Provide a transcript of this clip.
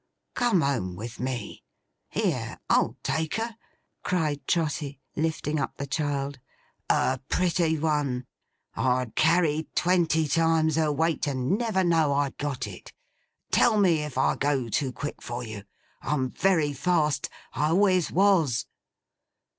Come home with me! Here! I'll take her!' cried Trotty, lifting up the child. 'A pretty one! I'd carry twenty times her weight, and never know I'd got it. Tell me if I go too quick for you. I'm very fast. I always was!